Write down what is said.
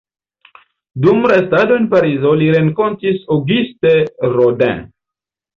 Dum restado en Parizo li renkontis Auguste Rodin.